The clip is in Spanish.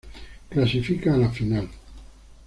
Clasifica a la final.